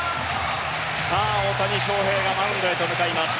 さあ、大谷翔平がマウンドへと向かいます。